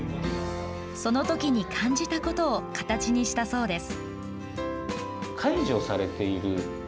その時に感じたことを形にしたそうです。